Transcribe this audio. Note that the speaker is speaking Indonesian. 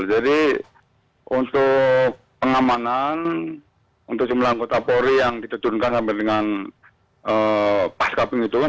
jadi untuk pengamanan untuk jumlah anggota polri yang ditujunkan sampai dengan paskap itu kan